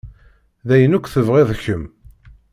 D ayen akk tebɣiḍ kemm.